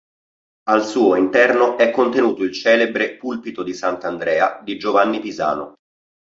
Al suo interno è contenuto il celebre "Pulpito di sant'Andrea" di Giovanni Pisano.